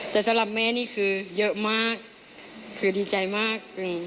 แต่สำหรับแม่นี่คือเยอะมากคือดีใจมาก